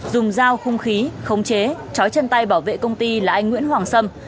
dùng dao không khí không chế trói chân tay bảo vệ công ty là anh nguyễn hoàng sâm